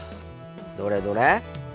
どれどれ？